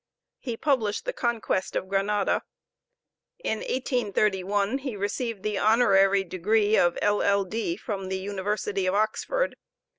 He published the "Conquest of Granada." In 1831 he received the honorary degree of LL.D. from the University of Oxford.